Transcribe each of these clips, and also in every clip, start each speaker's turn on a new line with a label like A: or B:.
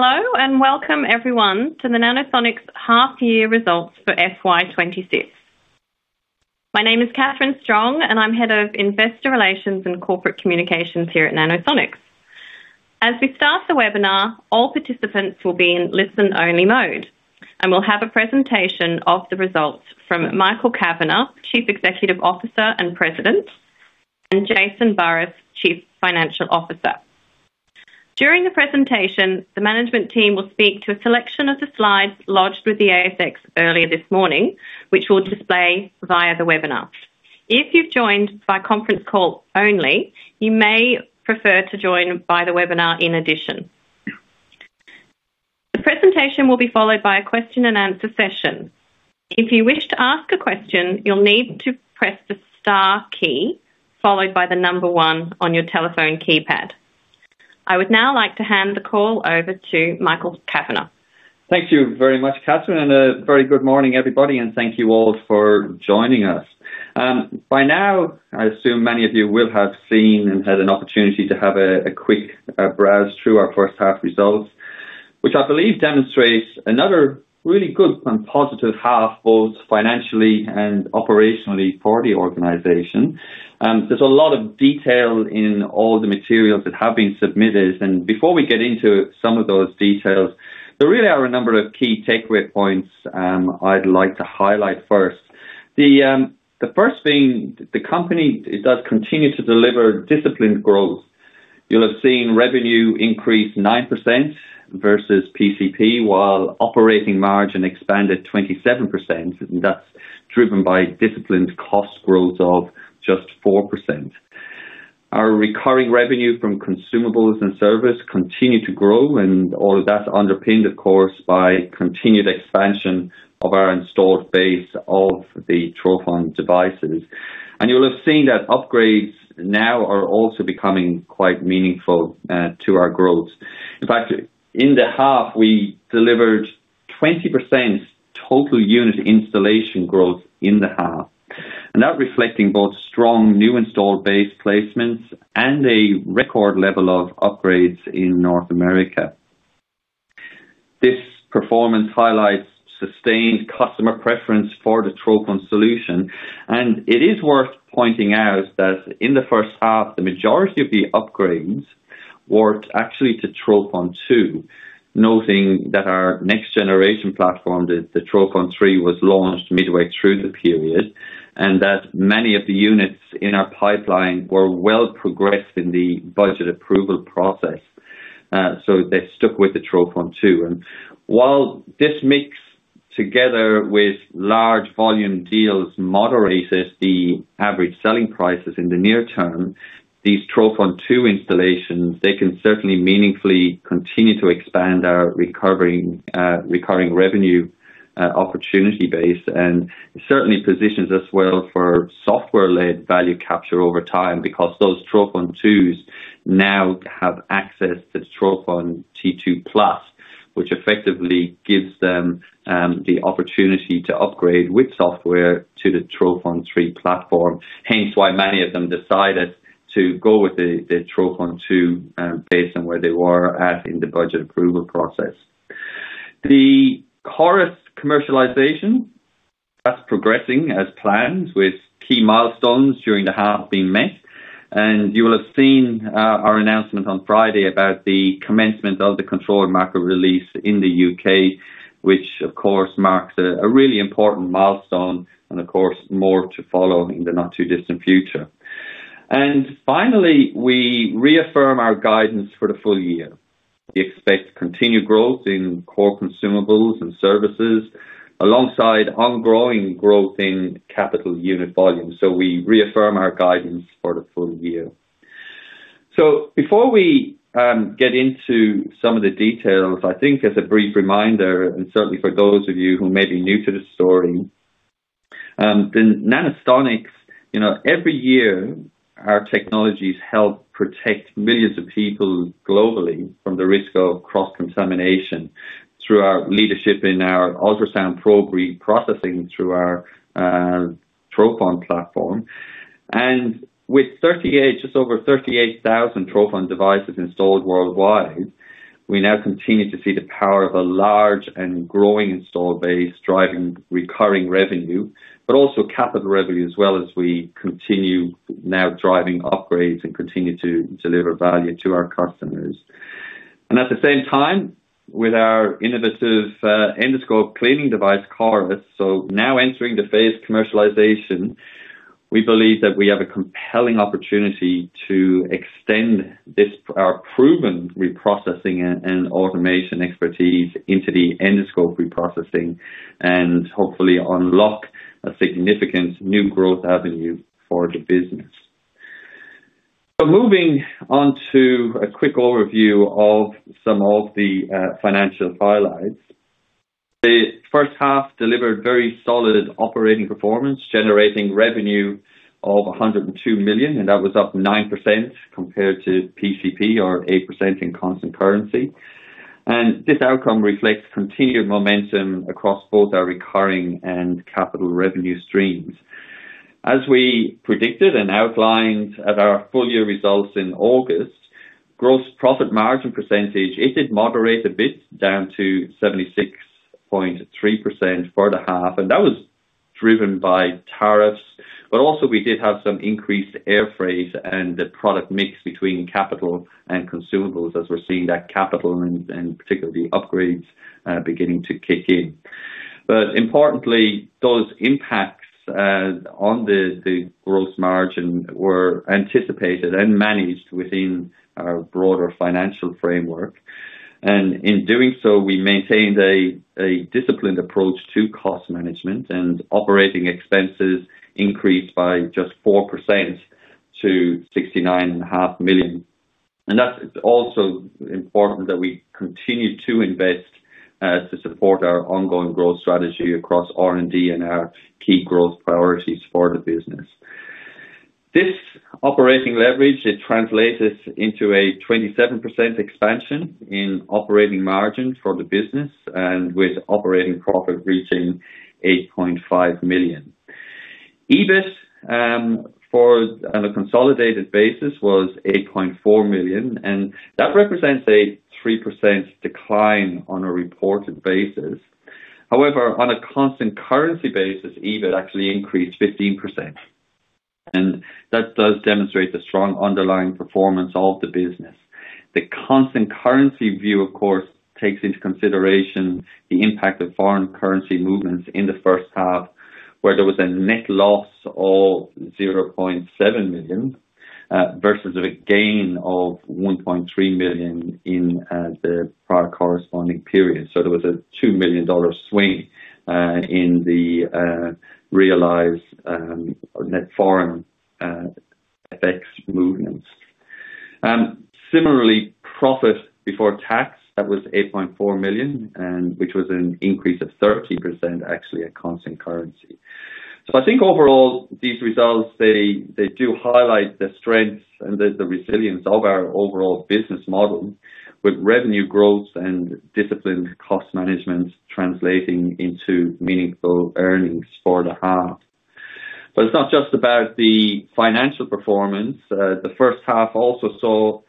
A: Hello, welcome everyone to the Nanosonics half year results for FY26. My name is Catherine Strong, and I'm Head of Investor Relations and Corporate Communications here at Nanosonics. As we start the webinar, all participants will be in listen-only mode. We'll have a presentation of the results from Michael Kavanagh, Chief Executive Officer and President, and Jason Burris, Chief Financial Officer. During the presentation, the management team will speak to a selection of the slides lodged with the ASX earlier this morning, which will display via the webinar. If you've joined by conference call only, you may prefer to join by the webinar in addition. The presentation will be followed by a question and answer session. If you wish to ask a question, you'll need to press the star key, followed by the number 1 on your telephone keypad. I would now like to hand the call over to Michael Kavanagh.
B: Thank you very much, Catherine, and a very good morning, everybody, and thank you all for joining us. By now, I assume many of you will have seen and had an opportunity to have a quick browse through our first half results, which I believe demonstrates another really good and positive half, both financially and operationally for the organization. There's a lot of detail in all the materials that have been submitted, and before we get into some of those details, there really are a number of key takeaway points, I'd like to highlight first. The first being, the company, it does continue to deliver disciplined growth. You'll have seen revenue increase 9% versus PCP, while operating margin expanded 27%, and that's driven by disciplined cost growth of just 4%. Our recurring revenue from consumables and service continue to grow, and all of that's underpinned, of course, by continued expansion of our installed base of the Trophon devices. You'll have seen that upgrades now are also becoming quite meaningful to our growth. In fact, in the half, we delivered 20% total unit installation growth in the half, and that reflecting both strong new installed base placements and a record level of upgrades in North America. This performance highlights sustained customer preference for the Trophon solution, and it is worth pointing out that in the first half, the majority of the upgrades were actually to Trophon2, noting that our next generation platform, the Trophon3, was launched midway through the period, and that many of the units in our pipeline were well progressed in the budget approval process. They stuck with the Trophon2. While this mix, together with large volume deals, moderates the average selling prices in the near term, these Trophon2 installations, they can certainly meaningfully continue to expand our recovering, recurring revenue, opportunity base, and certainly positions us well for software-led value capture over time, because those Trophon2s now have access to Trophon2 Plus, which effectively gives them the opportunity to upgrade with software to the Trophon3 platform. Hence, why many of them decided to go with the Trophon2, based on where they were at in the budget approval process. The CORIS commercialization, that's progressing as planned, with key milestones during the half being met, and you will have seen our announcement on Friday about the commencement of the controlled market release in the UK, which of course marks a really important milestone, and of course, more to follow in the not-too-distant future. Finally, we reaffirm our guidance for the full year. We expect continued growth in core consumables and services, alongside ongoing growth in capital unit volume. We reaffirm our guidance for the full year. Before we get into some of the details, I think as a brief reminder, and certainly for those of you who may be new to the story, the Nanosonics, you know, every year, our technologies help protect millions of people globally from the risk of cross-contamination through our leadership in our ultrasound probe reprocessing through our Trophon platform. With 38, just over 38,000 Trophon devices installed worldwide, we now continue to see the power of a large and growing installed base driving recurring revenue, but also capital revenue as well, as we continue now driving upgrades and continue to deliver value to our customers. At the same time, with our innovative endoscope cleaning device, CORIS, now entering the phase commercialization, we believe that we have a compelling opportunity to extend this, our proven reprocessing and automation expertise into the endoscope reprocessing and hopefully unlock a significant new growth avenue for the business. Moving on to a quick overview of some of the financial highlights. The first half delivered very solid operating performance, generating revenue of 102 million, and that was up 9% compared to PCP or 8% in constant currency. This outcome reflects continued momentum across both our recurring and capital revenue streams. As we predicted and outlined at our full year results in August, gross profit margin percentage, it did moderate a bit down to 76.3% for the half, and that was driven by tariffs. Also we did have some increased air freight and the product mix between capital and consumables, as we're seeing that capital and, and particularly upgrades, beginning to kick in. Importantly, those impacts, on the, the growth margin were anticipated and managed within our broader financial framework. In doing so, we maintained a, a disciplined approach to cost management, and operating expenses increased by just 4% to 69.5 million. That's also important that we continue to invest to support our ongoing growth strategy across R&D and our key growth priorities for the business. This operating leverage, it translates into a 27% expansion in operating margin for the business, and with operating profit reaching 8.5 million. EBIT for on a consolidated basis, was 8.4 million. That represents a 3% decline on a reported basis. However, on a constant currency basis, EBIT actually increased 15%. That does demonstrate the strong underlying performance of the business. The constant currency view, of course, takes into consideration the impact of foreign currency movements in the first half, where there was a net loss of 0.7 million versus a gain of 1.3 million in the prior corresponding period. There was a 2 million dollar swing in the realized net foreign effects movements. Similarly, profit before tax, that was 8.4 million, which was an increase of 30%, actually, at constant currency. I think overall, these results, they, they do highlight the strength and the, the resilience of our overall business model, with revenue growth and disciplined cost management translating into meaningful earnings for the half. It's not just about the financial performance. The first half also saw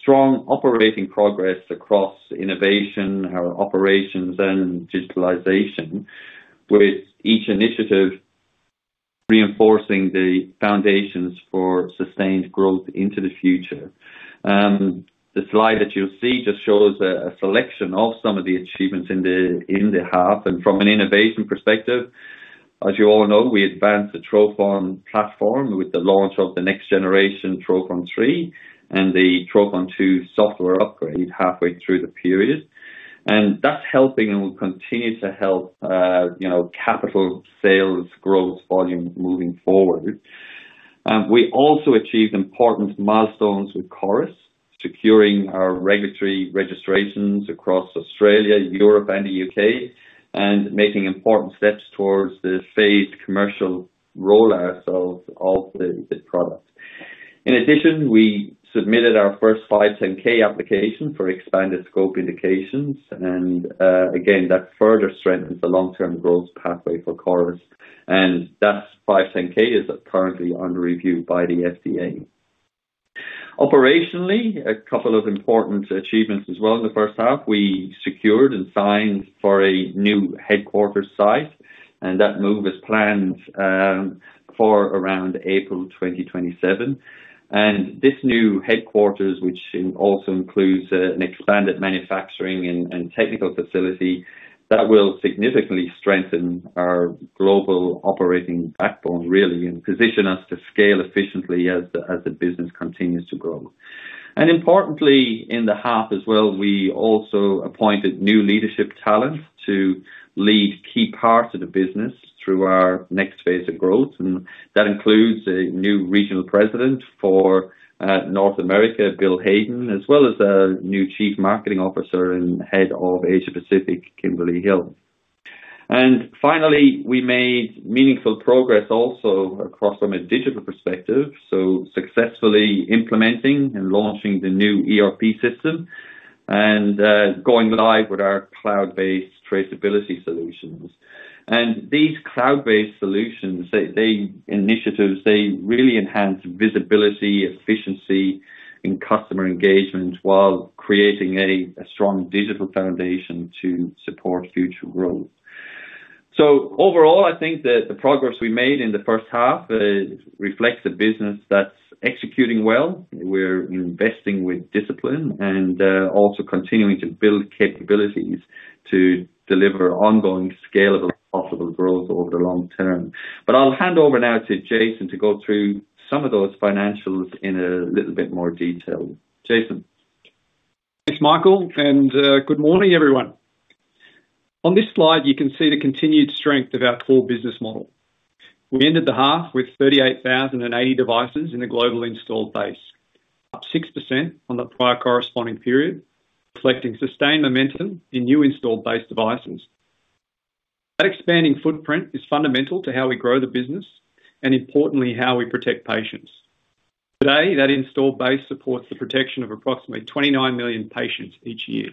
B: strong operating progress across innovation, our operations, and digitalization, with each initiative reinforcing the foundations for sustained growth into the future. The slide that you'll see just shows a, a selection of some of the achievements in the, in the half, and from an innovation perspective, as you all know, we advanced the Trophon platform with the launch of the next generation Trophon3 and the Trophon2 software upgrade halfway through the period. That's helping and will continue to help, you know, capital sales growth volume moving forward. We also achieved important milestones with CORIS, securing our regulatory registrations across Australia, Europe, and the UK, and making important steps towards the phased commercial rollout of, of the, the product. In addition, we submitted our first 510(k) application for expanded scope indications, and again, that further strengthens the long-term growth pathway for CORIS, and that 510(k) is currently under review by the FDA. Operationally, a couple of important achievements as well. In the first half, we secured and signed for a new headquarters site, and that move is planned for around April 2027. This new headquarters, which also includes an expanded manufacturing and, and technical facility, that will significantly strengthen our global operating backbone, really, and position us to scale efficiently as the, as the business continues to grow. Importantly, in the half as well, we also appointed new leadership talent to lead key parts of the business through our next phase of growth. That includes a new Regional President for North America, Bill Haydon, as well as a new Chief Marketing Officer and Head of Asia Pacific, Kimberly Hill. Finally, we made meaningful progress also across from a digital perspective, so successfully implementing and launching the new ERP system and going live with our cloud-based traceability solutions. These cloud-based solutions, they initiatives, they really enhance visibility, efficiency in customer engagement while creating a strong digital foundation to support future growth. Overall, I think that the progress we made in the first half reflects a business that's executing well. We're investing with discipline and, also continuing to build capabilities to deliver ongoing scalable possible growth over the long term. I'll hand over now to Jason to go through some of those financials in a little bit more detail. Jason?
C: Thanks, Michael, and good morning, everyone. On this slide, you can see the continued strength of our core business model. We ended the half with 38,080 devices in the global installed base, up 6% on the prior corresponding period, reflecting sustained momentum in new installed base devices. That expanding footprint is fundamental to how we grow the business and importantly, how we protect patients. Today, that installed base supports the protection of approximately 29 million patients each year.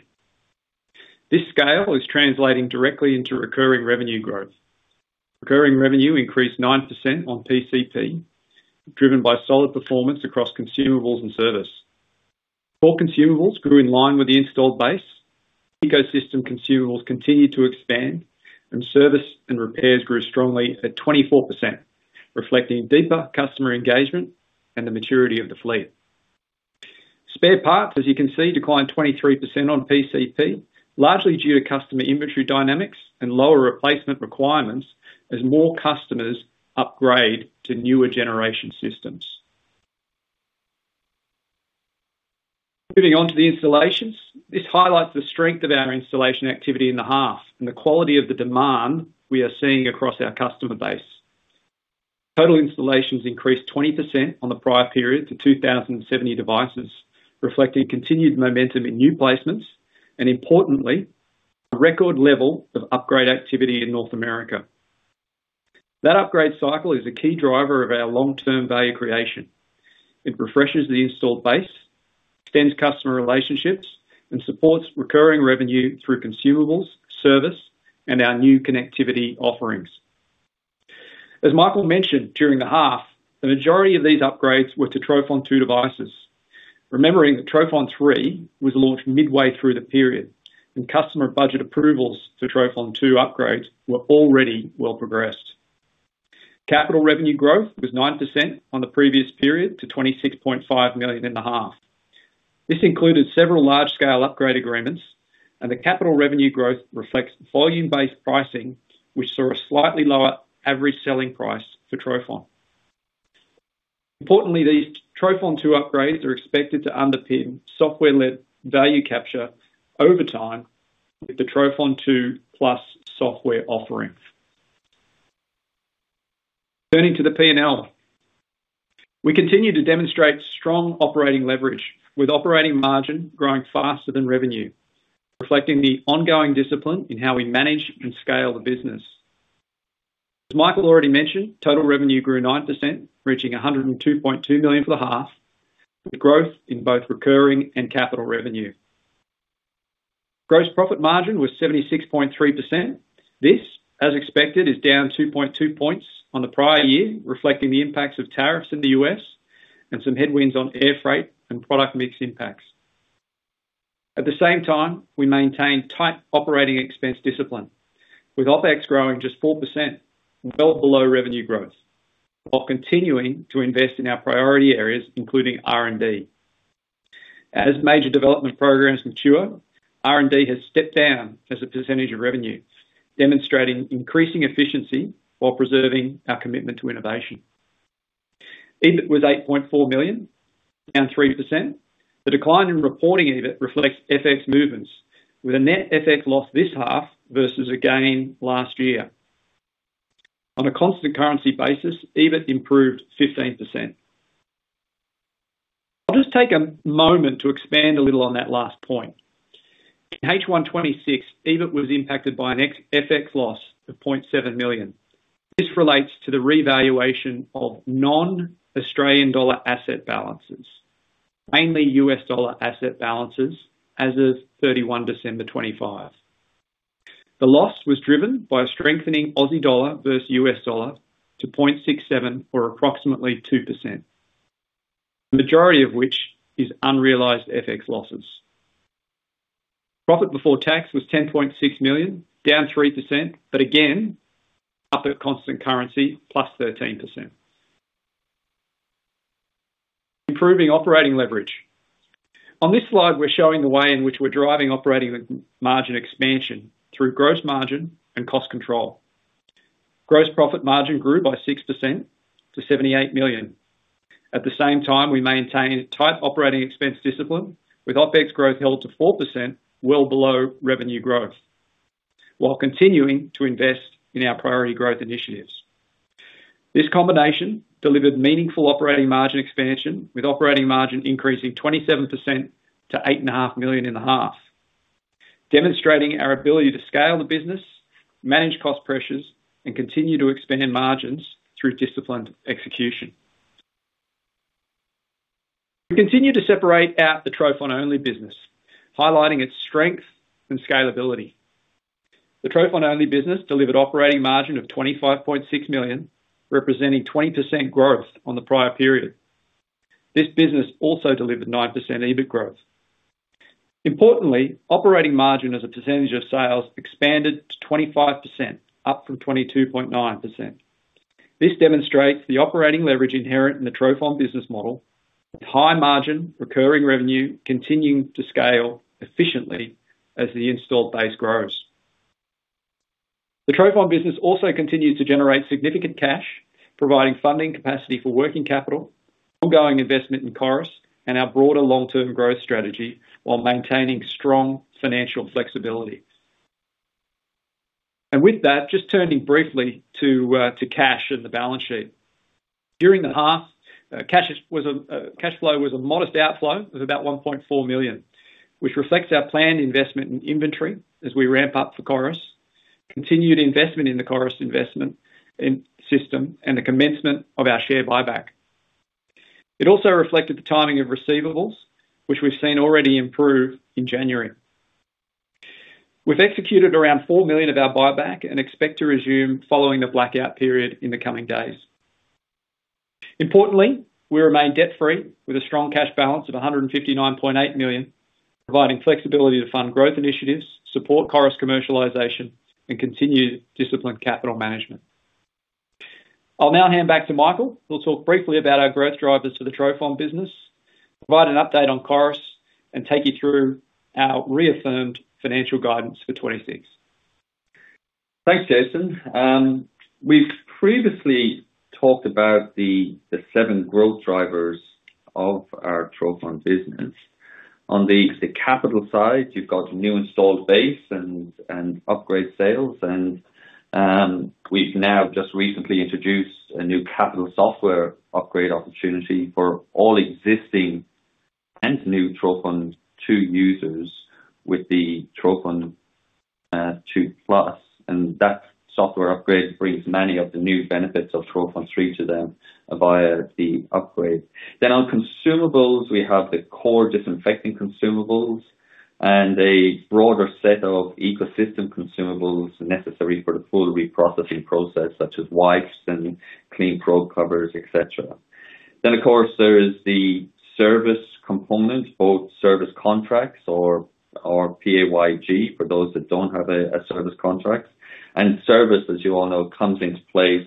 C: This scale is translating directly into recurring revenue growth. Recurring revenue increased 9% on PCP, driven by solid performance across consumables and service. Core consumables grew in line with the installed base. Ecosystem consumables continued to expand, service and repairs grew strongly at 24%, reflecting deeper customer engagement and the maturity of the fleet. Spare parts, as you can see, declined 23% on PCP, largely due to customer inventory dynamics and lower replacement requirements, as more customers upgrade to newer generation systems. Moving on to the installations. This highlights the strength of our installation activity in the half, and the quality of the demand we are seeing across our customer base. Total installations increased 20% on the prior period to 2,070 devices, reflecting continued momentum in new placements, and importantly, a record level of upgrade activity in North America. That upgrade cycle is a key driver of our long-term value creation. It refreshes the installed base, extends customer relationships, and supports recurring revenue through consumables, service, and our new connectivity offerings. As Michael mentioned during the half, the majority of these upgrades were to Trophon2 devices. Remembering that Trophon3 was launched midway through the period, and customer budget approvals to Trophon2 upgrades were already well progressed. Capital revenue growth was 9% on the previous period to 26.5 million in the half. This included several large-scale upgrade agreements, and the capital revenue growth reflects volume-based pricing, which saw a slightly lower average selling price for Trophon. Importantly, these Trophon2 upgrades are expected to underpin software-led value capture over time with the Trophon2 Plus software offering. Turning to the P&L. We continue to demonstrate strong operating leverage, with operating margin growing faster than revenue, reflecting the ongoing discipline in how we manage and scale the business. As Michael already mentioned, total revenue grew 9%, reaching 102.2 million for the half, with growth in both recurring and capital revenue. Gross profit margin was 76.3%. This, as expected, is down 2.2 points on the prior year, reflecting the impacts of tariffs in the US and some headwinds on air freight and product mix impacts. At the same time, we maintained tight operating expense discipline, with OpEx growing just 4%, well below revenue growth, while continuing to invest in our priority areas, including R&D. As major development programs mature, R&D has stepped down as a percentage of revenue, demonstrating increasing efficiency while preserving our commitment to innovation. EBIT was 8.4 million, down 3%. The decline in reporting EBIT reflects FX movements, with a net FX loss this half versus a gain last year. On a constant currency basis, EBIT improved 15%. I'll just take a moment to expand a little on that last point. In H126, EBIT was impacted by an FX loss of 0.7 million. This relates to the revaluation of non-Australian dollar asset balances, mainly US dollar asset balances as of 31 December 2025. The loss was driven by a strengthening Aussie dollar versus US dollar to 0.67 or approximately 2%. The majority of which is unrealized FX losses. Profit before tax was 10.6 million, down 3%. Again, up at constant currency, +13%. Improving operating leverage. On this slide, we're showing the way in which we're driving operating margin expansion through gross margin and cost control. Gross profit margin grew by 6% to 78 million. At the same time, we maintained tight operating expense discipline, with OpEx growth held to 4%, well below revenue growth, while continuing to invest in our priority growth initiatives. This combination delivered meaningful operating margin expansion, with operating margin increasing 27% to 8.5 million in the half, demonstrating our ability to scale the business, manage cost pressures, and continue to expand in margins through disciplined execution. We continue to separate out the Trophon Only business, highlighting its strength and scalability. The Trophon Only business delivered operating margin of 25.6 million, representing 20% growth on the prior period. This business also delivered 9% EBIT growth. Importantly, operating margin as a percentage of sales expanded to 25%, up from 22.9%. This demonstrates the operating leverage inherent in the Trophon business model, with high margin recurring revenue continuing to scale efficiently as the installed base grows. The Trophon business also continues to generate significant cash, providing funding capacity for working capital, ongoing investment in CORIS, and our broader long-term growth strategy, while maintaining strong financial flexibility. With that, just turning briefly to cash and the balance sheet. During the half, cash flow was a modest outflow of about 1.4 million, which reflects our planned investment in inventory as we ramp up for CORIS, continued investment in the CORIS investment in system, and the commencement of our share buyback. It also reflected the timing of receivables, which we've seen already improve in January. We've executed around 4 million of our buyback and expect to resume following the blackout period in the coming days. Importantly, we remain debt-free with a strong cash balance of 159.8 million, providing flexibility to fund growth initiatives, support CORIS commercialization, and continue disciplined capital management. I'll now hand back to Michael, who'll talk briefly about our growth drivers to the Trophon business, provide an update on CORIS, and take you through our reaffirmed financial guidance for 2026.
B: Thanks, Jason. We've previously talked about the 7 growth drivers of our Trophon business. On the capital side, you've got new installed base and upgrade sales, and we've now just recently introduced a new capital software upgrade opportunity for all existing and new Trophon2 users with the Trophon2 Plus. That software upgrade brings many of the new benefits of Trophon3 to them via the upgrade. On consumables, we have the core disinfecting consumables and a broader set of ecosystem consumables necessary for the full reprocessing process, such as wipes and clean probe covers, et cetera. Of course, there is the service component, both service contracts or PAYG, for those that don't have a service contract. Service, as you all know, comes into place,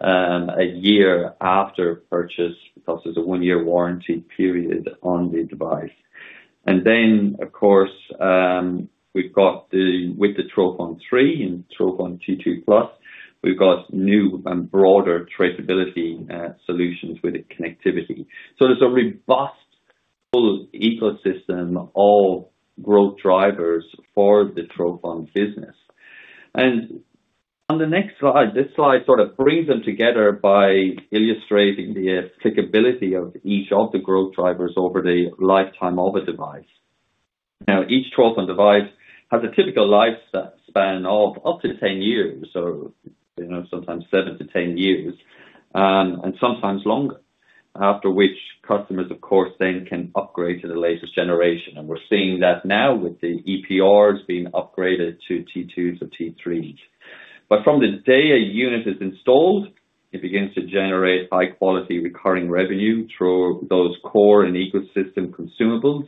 B: a year after purchase, because there's a 1-year warranty period on the device. Then, of course, we've got the... With the Trophon3 and Trophon2 Plus, we've got new and broader traceability solutions with its connectivity. There's a robust full ecosystem, all growth drivers for the Trophon business. On the next slide, this slide sort of brings them together by illustrating the applicability of each of the growth drivers over the lifetime of a device. Each Trophon device has a typical life span of up to 10 years, or, you know, sometimes 7 to 10 years, and sometimes longer, after which customers, of course, then can upgrade to the latest generation. We're seeing that now with the trophon EPRs being upgraded to T2s and T3s. From the day a unit is installed, it begins to generate high-quality, recurring revenue through those core and ecosystem consumables,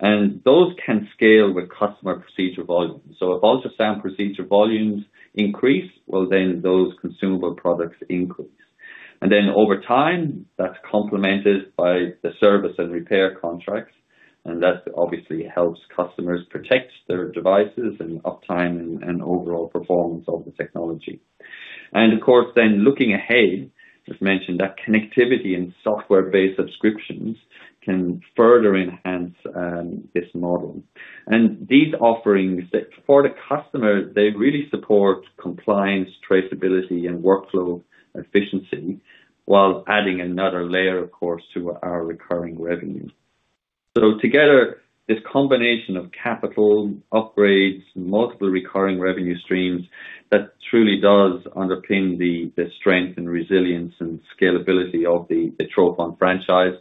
B: and those can scale with customer procedure volume. If ultrasound procedure volumes increase, well, then those consumable products increase. Then over time, that's complemented by the service and repair contracts, and that obviously helps customers protect their devices and uptime and, and overall performance of the technology. Of course, then looking ahead, as mentioned, that connectivity and software-based subscriptions can further enhance this model. These offerings, that for the customer, they really support compliance, traceability, and workflow efficiency, while adding another layer, of course, to our recurring revenue. Together, this combination of capital, upgrades, multiple recurring revenue streams, that truly does underpin the, the strength and resilience and scalability of the, the Trophon franchise.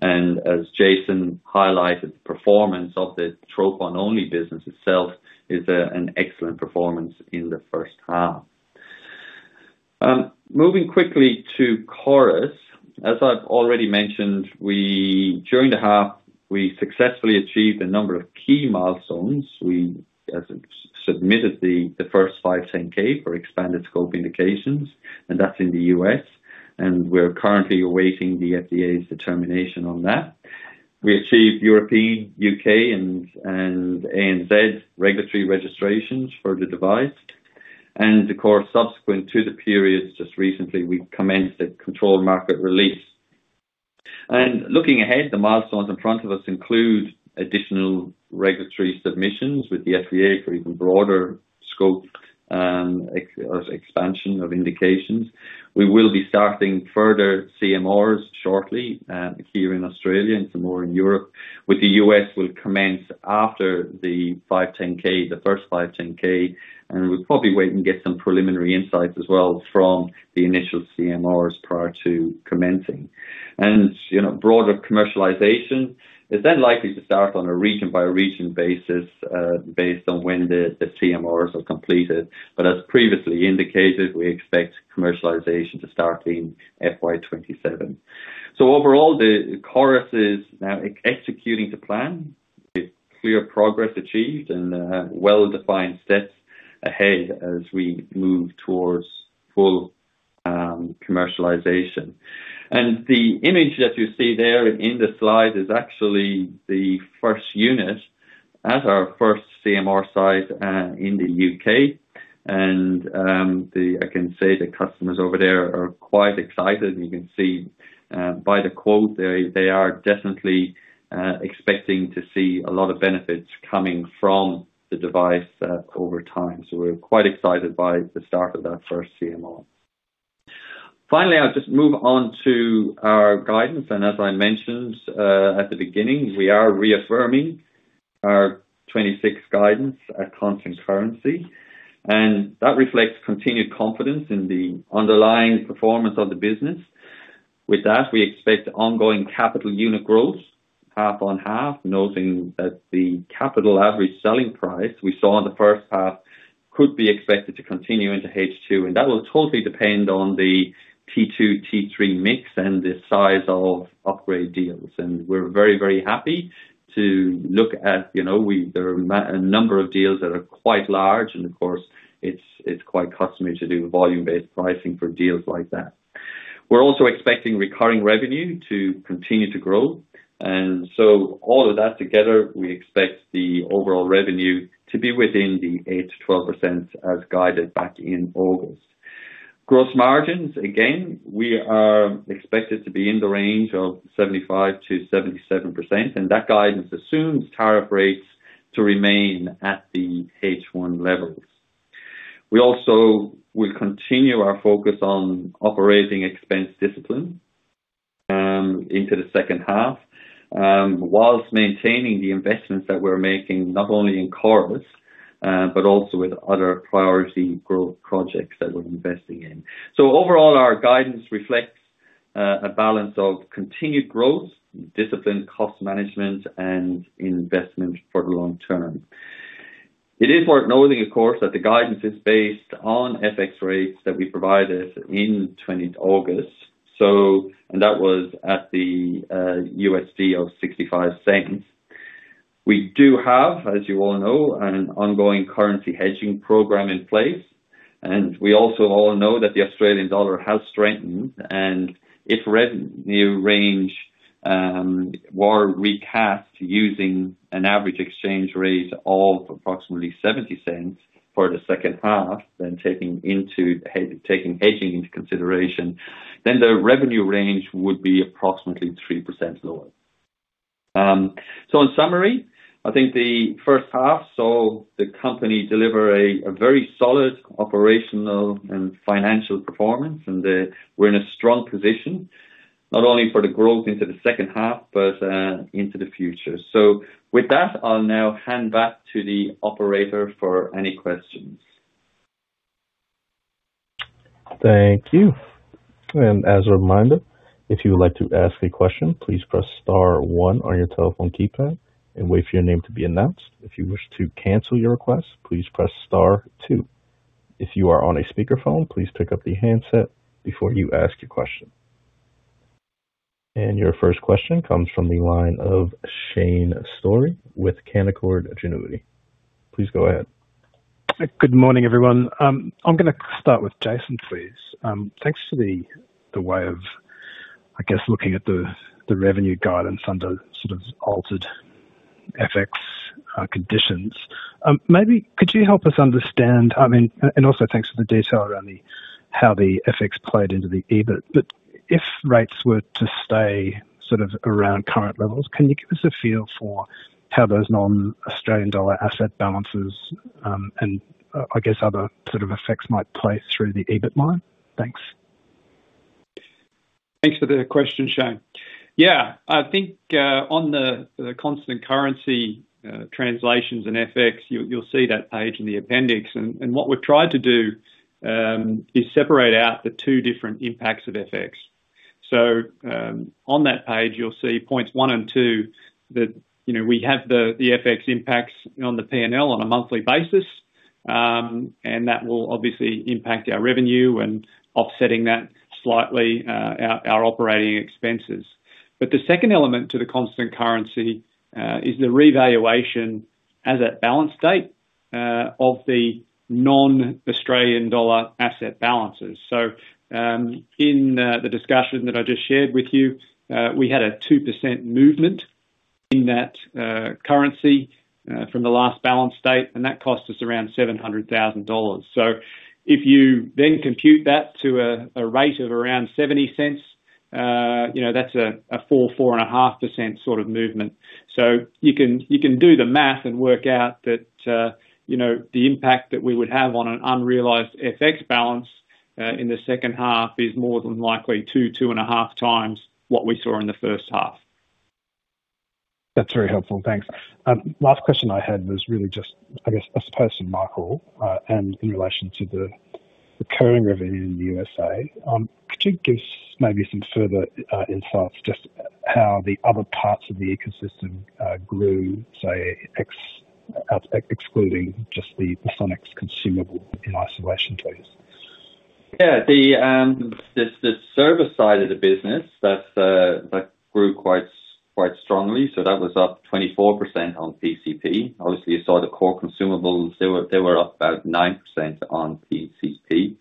B: As Jason highlighted, performance of the Trophon-only business itself is an excellent performance in the first half. Moving quickly to CORIS. As I've already mentioned, during the half, we successfully achieved a number of key milestones. We submitted the first 510(k) for expanded scope indications, and that's in the U.S., and we're currently awaiting the FDA's determination on that. We achieved European, U.K., and ANZ regulatory registrations for the device, and the CORIS subsequent to the periods, just recently, we commenced a controlled market release. Looking ahead, the milestones in front of us include additional regulatory submissions with the FDA for even broader scope or expansion of indications. We will be starting further CMRs shortly here in Australia and some more in Europe. With the U.S., we'll commence after the 510(k), the first 510(k), we'll probably wait and get some preliminary insights as well from the initial CMRs prior to commencing. You know, broader commercialization is then likely to start on a region-by-region basis, based on when the CMRs are completed. As previously indicated, we expect commercialization to start in FY27. Overall, the CORIS is now executing to plan, with clear progress achieved and well-defined steps ahead as we move towards full commercialization. The image that you see there in the slide is actually the first unit at our first CMR site, in the U.K. I can say the customers over there are quite excited. You can see by the quote, they, they are definitely expecting to see a lot of benefits coming from the device over time. We're quite excited by the start of that first CMR. Finally, I'll just move on to our guidance. As I mentioned at the beginning, we are reaffirming our 26 guidance at constant currency, and that reflects continued confidence in the underlying performance of the business. With that, we expect ongoing capital unit growth, half on half, noting that the capital average selling price we saw in the first half could be expected to continue into H2. That will totally depend on the T2, T3 mix and the size of upgrade deals. We're very, very happy to look at, you know, there are a number of deals that are quite large, and of course, it's, it's quite customary to do volume-based pricing for deals like that. We're also expecting recurring revenue to continue to grow, all of that together, we expect the overall revenue to be within the 8%-12% as guided back in August. Gross margins, again, we are expected to be in the range of 75%-77%, that guidance assumes tariff rates to remain at the H1 levels. We also will continue our focus on OpEx discipline into the second half, whilst maintaining the investments that we're making, not only in CORIS, but also with other priority growth projects that we're investing in. Overall, our guidance reflects a balance of continued growth, disciplined cost management, and investment for the long term. It is worth noting, of course, that the guidance is based on FX rates that we provided in August 20, 2025. That was at the USD of $0.65. We do have, as you all know, an ongoing currency hedging program in place, and we also all know that the Australian dollar has strengthened. If revenue range were recast using an average exchange rate of approximately 0.70 for the second half, then taking hedging into consideration, then the revenue range would be approximately 3% lower. In summary, I think the first half saw the company deliver a very solid operational and financial performance, and, we're in a strong position, not only for the growth into the second half, but, into the future. With that, I'll now hand back to the operator for any questions.
D: Thank you. As a reminder, if you would like to ask a question, please press star 1 on your telephone keypad and wait for your name to be announced. If you wish to cancel your request, please press star 2. If you are on a speakerphone, please pick up the handset before you ask your question. Your first question comes from the line of Shane Storey with Canaccord Genuity. Please go ahead.
E: Good morning, everyone. I'm gonna start with Jason, please. Thanks for the way of, I guess, looking at the revenue guidance under sort of altered FX conditions. Maybe could you help us understand, I mean, and also thanks for the detail around how the FX played into the EBIT. If rates were to stay sort of around current levels, can you give us a feel for how those non-Australian dollar asset balances and, I guess, other sort of effects might play through the EBIT line? Thanks.
C: Thanks for the question, Shane. Yeah, I think, on the, the constant currency, translations and FX, you'll see that page in the appendix. What we've tried to do is separate out the two different impacts of FX. In the discussion that I just shared with you, we had a 2% movement in that currency from the last balance date, and that cost us around 700,000 dollars. If you then compute that to a rate of around $0.70, you know, that's a 4-4.5% sort of movement. You can, you can do the math and work out that, you know, the impact that we would have on an unrealized FX balance in the second half is more than likely 2-2.5 times what we saw in the first half.
E: That's very helpful. Thanks. Last question I had was really just, I guess, I suppose to Michael, and in relation to the recurring revenue in the USA, could you give us maybe some further insights just how the other parts of the ecosystem grew, say, excluding just the Sonex-HL consumable in isolation, please?
B: Yeah. The, the service side of the business, that grew quite strongly, so that was up 24% on PCP. Obviously, you saw the core consumables, they were, they were up about 9% on PCP.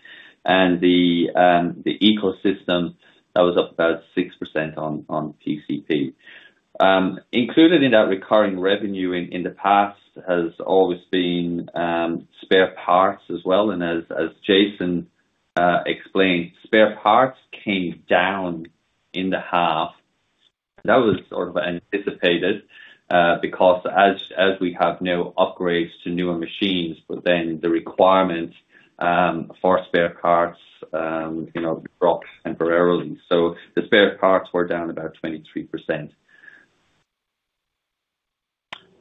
B: The, the ecosystem, that was up about 6% on, on PCP. Included in that recurring revenue in, in the past has always been, spare parts as well, and as, as Jason explained, spare parts came down in the half. That was sort of anticipated, because as, as we have no upgrades to newer machines, but then the requirement for spare parts, you know, Rocks and Ferraros. The spare parts were down about 23%.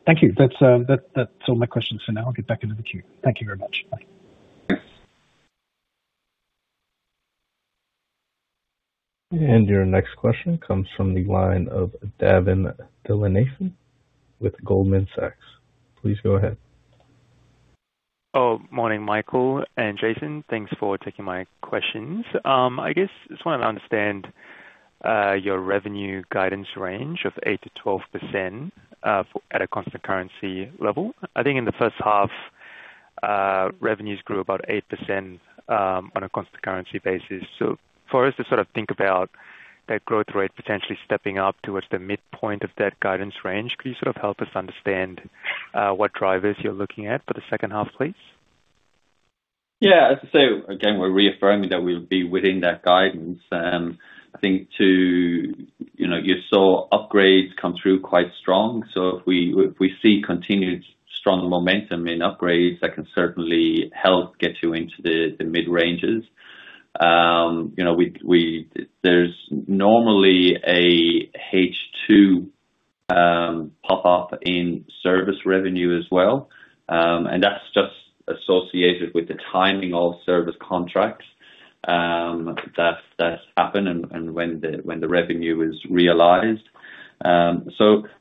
E: Thank you. That's all my questions for now. I'll get back into the queue. Thank you very much. Bye.
D: Your next question comes from the line of Davin Thillainathan with Goldman Sachs. Please go ahead.
F: Morning, Michael and Jason. Thanks for taking my questions. I guess just want to understand your revenue guidance range of 8%-12% at a constant currency level. I think in the first half, revenues grew about 8% on a constant currency basis. For us to sort of think about that growth rate potentially stepping up towards the midpoint of that guidance range, could you sort of help us understand what drivers you're looking at for the second half, please?
B: Yeah, as I say, again, we're reaffirming that we'll be within that guidance. I think to. You know, you saw upgrades come through quite strong, so if we, if we see continued strong momentum in upgrades, that can certainly help get you into the mid-ranges. You know, there's normally a H2 pop up in service revenue as well. That's just associated with the timing of service contracts that happen and when the revenue is realized.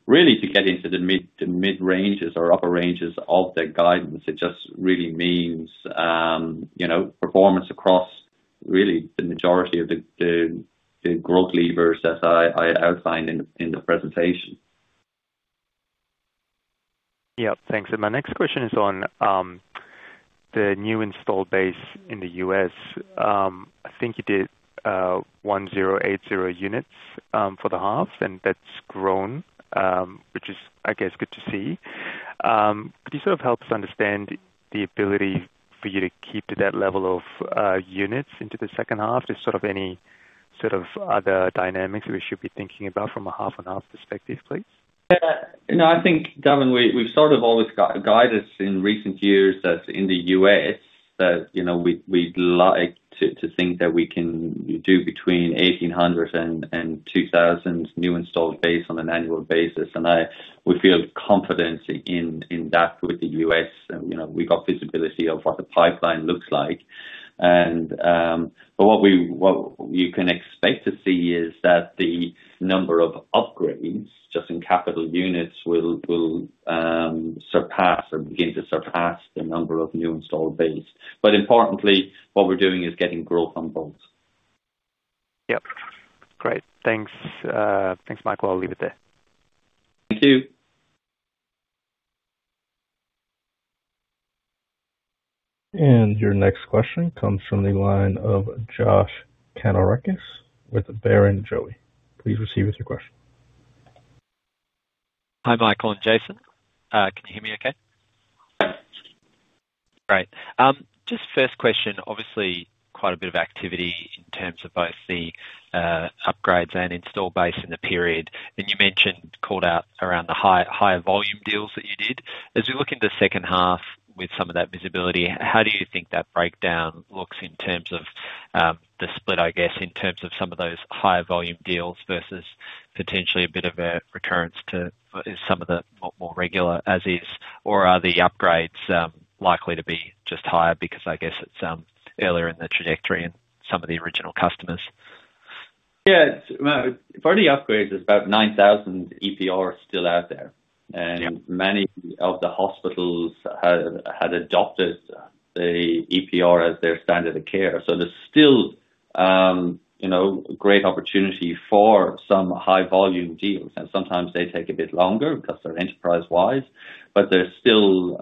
B: Really to get into the mid-ranges or upper ranges of the guidance, it just really means, you know, performance across really the majority of the growth levers as I outlined in the presentation.
F: Yeah. Thanks. My next question is on the new installed base in the US. I think you did 1,080 units for the half, and that's grown, which is, I guess, good to see. Could you sort of help us understand the ability for you to keep to that level of units into the second half? Just sort of any, sort of other dynamics we should be thinking about from a half on half perspective, please?
B: Yeah. No, I think, Gavin, we've sort of always got guided in recent years that in the U.S., that, you know, we'd like to think that we can do between 1,800 and 2,000 new installed base on an annual basis. We feel confident in that with the U.S., you know, we've got visibility of what the pipeline looks like. But what you can expect to see is that the number of upgrades, just in capital units, will surpass or begin to surpass the number of new installed base. Importantly, what we're doing is getting growth on both.
F: Yep. Great. Thanks, thanks, Michael. I'll leave it there.
B: Thank you.
D: Your next question comes from the line of Josh Kannourakis with Barrenjoey. Please receive with your question.
G: Hi, Michael and Jason. Can you hear me okay? Great. Just first question, obviously, quite a bit of activity in terms of both the upgrades and install base in the period. You mentioned called out around the high- higher volume deals that you did. As we look into the second half with some of that visibility, how do you think that breakdown looks in terms of the split, I guess, in terms of some of those higher volume deals versus potentially a bit of a recurrence to some of the more more regular as is, or are the upgrades likely to be just higher? Because I guess it's earlier in the trajectory in some of the original customers.
B: Yeah. Well, for the upgrades, there's about 9,000 EPR still out there. Many of the hospitals have had adopted the EPR as their standard of care. There's still, you know, great opportunity for some high volume deals, and sometimes they take a bit longer because they're enterprise-wide, there's still,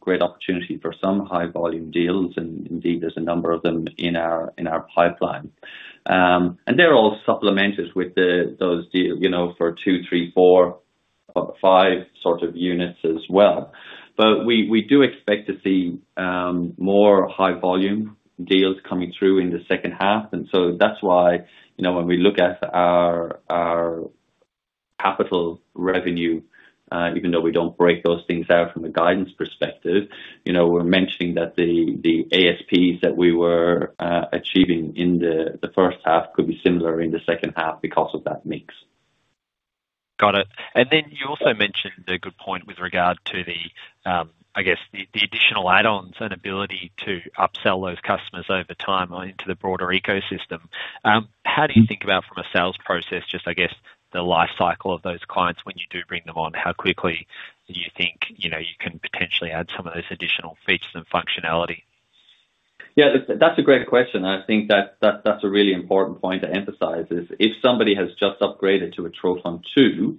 B: great opportunity for some high volume deals. Indeed, there's a number of them in our pipeline. They're all supplemented with the those deal, you know, for 2, 3, 4, or 5 sort of units as well. We, we do expect to see more high volume deals coming through in the second half, and so that's why, you know, when we look at our, our capital revenue, even though we don't break those things out from a guidance perspective, you know, we're mentioning that the ASPs that we were achieving in the first half could be similar in the second half because of that mix.
G: Got it. Then you also mentioned the good point with regard to the, I guess, the, the additional add-ons and ability to upsell those customers over time into the broader ecosystem. How do you think about from a sales process, just, I guess, the life cycle of those clients when you do bring them on? How quickly do you think, you know, you can potentially add some of those additional features and functionality?
B: Yeah, that's, that's a great question, and I think that, that's a really important point to emphasize, is if somebody has just upgraded to a Trophon2,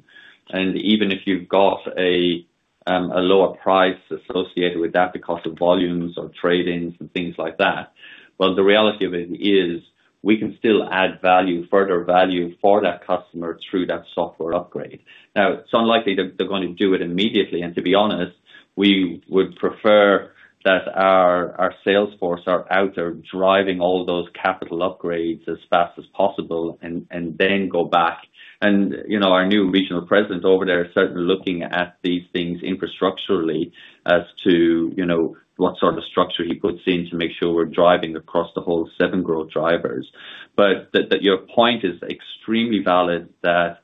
B: even if you've got a lower price associated with that because of volumes or trade-ins and things like that, well, the reality of it is we can still add value, further value for that customer through that software upgrade. Now, it's unlikely that they're going to do it immediately, to be honest, we would prefer that our, our sales force are out there driving all those capital upgrades as fast as possible and then go back-... You know, our new regional president over there is certainly looking at these things infrastructurally as to, you know, what sort of structure he puts in to make sure we're driving across the whole seven growth drivers. Your point is extremely valid, that,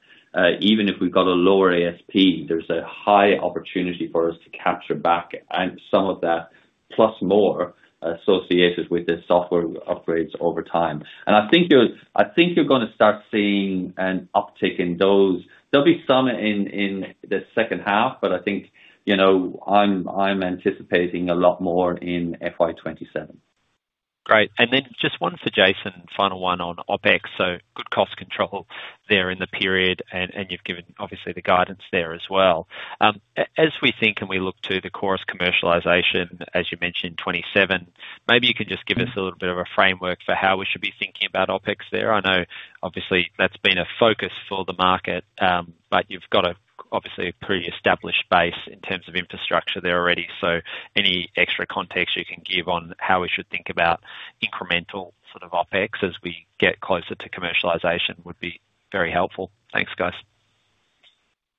B: even if we've got a lower ASP, there's a high opportunity for us to capture back, and some of that, plus more, associated with the software upgrades over time. I think you're, I think you're gonna start seeing an uptick in those. There'll be some in, in the second half, but I think, you know, I'm, I'm anticipating a lot more in FY27.
G: Great. Then just one for Jason, final one on OpEx. Good cost control there in the period, and you've given obviously the guidance there as well. As we think and we look to the CORIS commercialization, as you mentioned, FY27, maybe you can just give us a little bit of a framework for how we should be thinking about OpEx there. I know obviously that's been a focus for the market, but you've got a, obviously, a pretty established base in terms of infrastructure there already. Any extra context you can give on how we should think about incremental sort of OpEx as we get closer to commercialization would be very helpful. Thanks, guys.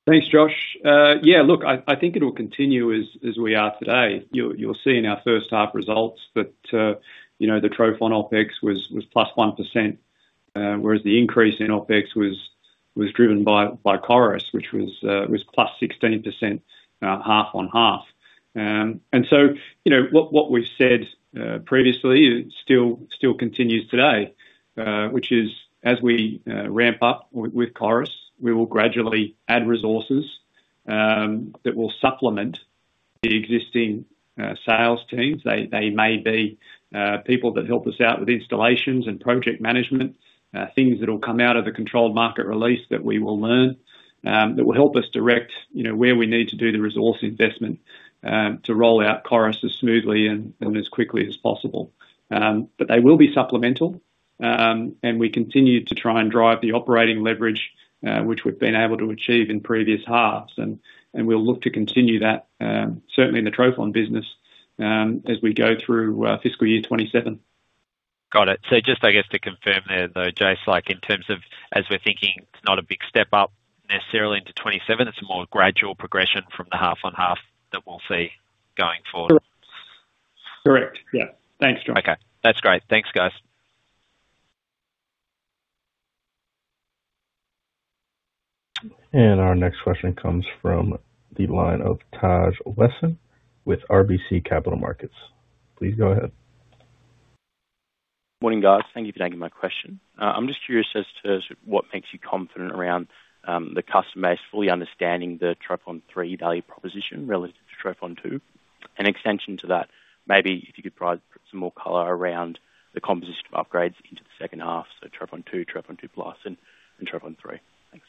C: Thanks, Josh. Yeah, look, I, I think it'll continue as, as we are today. You'll, you'll see in our first half results that, you know, the Trophon OpEx was, was +1%, whereas the increase in OpEx was, was driven by, by CORIS, which was, was +16%, half on half. So, you know, what, what we've said previously, it still, still continues today, which is, as we ramp up with CORIS, we will gradually add resources, that will supplement the existing sales teams. They, they may be people that help us out with installations and project management, things that will come out of the controlled market release that we will learn, that will help us direct, you know, where we need to do the resource investment to roll out CORIS as smoothly and, and as quickly as possible. They will be supplemental, we continue to try and drive the operating leverage, which we've been able to achieve in previous halves, and, and we'll look to continue that, certainly in the Trophon business, as we go through fiscal year 27.
G: Got it. Just to confirm there, though, Jase, in terms of as we're thinking, it's not a big step up necessarily into 2027, it's a more gradual progression from the half on half that we'll see going forward?
C: Correct. Correct, yeah. Thanks, Josh.
G: Okay. That's great. Thanks, guys.
D: Our next question comes from the line of Taj Wesson with RBC Capital Markets. Please go ahead.
H: Morning, guys. Thank you for taking my question. I'm just curious as to what makes you confident around the customer is fully understanding the Trophon3 value proposition relative to Trophon2? Extension to that, maybe if you could provide some more color around the composition of upgrades into the second half, so Trophon2, Trophon2 Plus, and Trophon3? Thanks.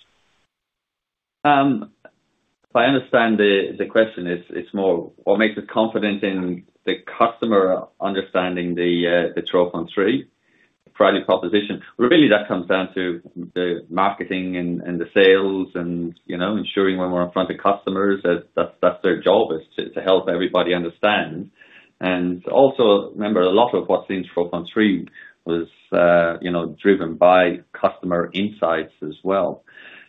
B: If I understand the question, it's, it's more what makes us confident in the customer understanding the Trophon3 product proposition. Really, that comes down to the marketing and, and the sales and, you know, ensuring when we're in front of customers, that's, that's, that's their job, is to, to help everybody understand. Also, remember, a lot of what's in Trophon3 was, you know, driven by customer insights as well.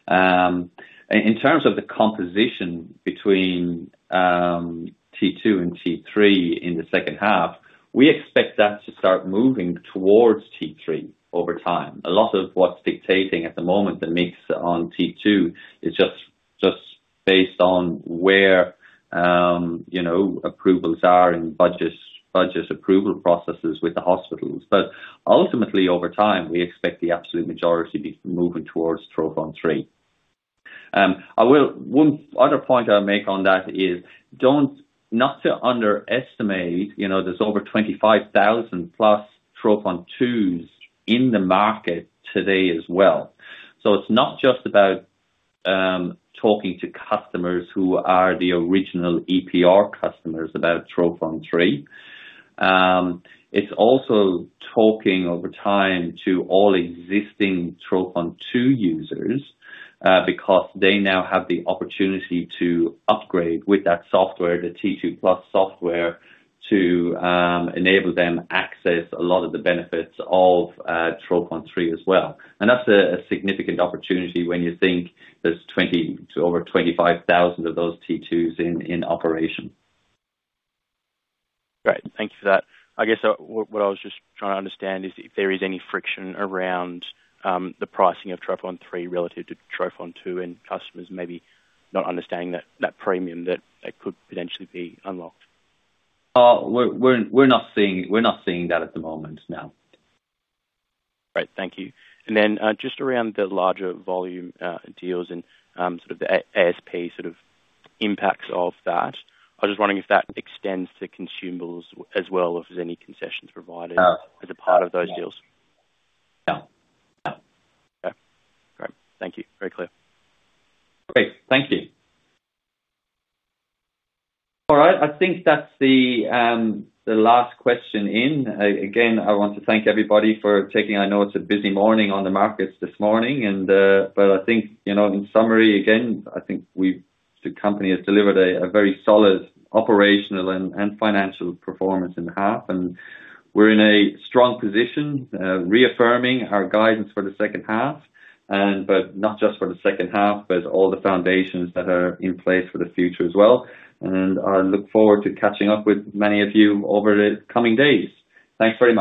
B: In terms of the composition between T2 and T3 in the second half, we expect that to start moving towards T3 over time. A lot of what's dictating at the moment, the mix on T2, is just based on where, you know, approvals are in budget, budget approval processes with the hospitals. Ultimately, over time, we expect the absolute majority to be moving towards Trophon3. I will-- one other point I'll make on that is, don't... Not to underestimate, you know, there's over 25,000+ Trophon2s in the market today as well. It's not just about talking to customers who are the original trophon EPR customers, about Trophon3, it's also talking over time to all existing Trophon2 users, because they now have the opportunity to upgrade with that software, the Trophon2 Plus software, to enable them access a lot of the benefits of Trophon3 as well. That's a, a significant opportunity when you think there's 20,000 to over 25,000 of those Trophon2s in, in operation.
H: Great. Thank you for that. I guess what, what I was just trying to understand is if there is any friction around the pricing of Trophon3 relative to Trophon2, and customers maybe not understanding that, that premium that, that could potentially be unlocked.
B: We're, we're, we're not seeing, we're not seeing that at the moment, no.
H: Great, thank you. Then, just around the larger volume deals and, sort of the ASP sort of impacts of that, I was just wondering if that extends to consumables as well, or if there's any concessions provided?
B: Uh.
H: as a part of those deals?
B: Yeah. Yeah.
H: Okay, great. Thank you. Very clear.
B: Great, thank you. All right, I think that's the, the last question in. Again, I want to thank everybody for taking... I know it's a busy morning on the markets this morning, but I think, you know, in summary, again, I think we've, the company has delivered a very solid operational and financial performance in the half, and we're in a strong position, reaffirming our guidance for the second half, but not just for the second half, but all the foundations that are in place for the future as well. I look forward to catching up with many of you over the coming days. Thanks very much.